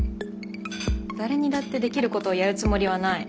誰にだってできることをやるつもりはない。